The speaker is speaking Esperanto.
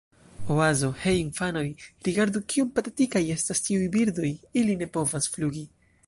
Oazo: "Hej infanoj, rigardu kiom patetikaj estas tiuj birdoj. Ili ne povas flugi."